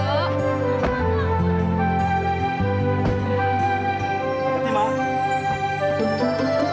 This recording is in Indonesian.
ya ya mak going ja